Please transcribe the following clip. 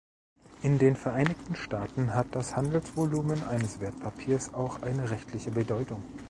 In den Vereinigten Staaten hat das Handelsvolumen eines Wertpapiers auch eine rechtliche Bedeutung.